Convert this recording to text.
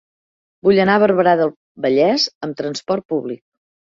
Vull anar a Barberà del Vallès amb trasport públic.